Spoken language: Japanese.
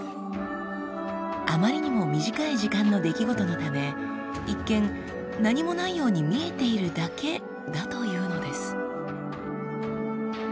あまりにも短い時間の出来事のため一見何もないように見えているだけだというのです。